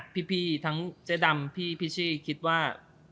พี่พี่ทั้งเจ๊ดำพี่พิชิคิดว่า